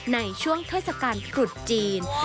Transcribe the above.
ในช่วงเทศกาลตรุษจีน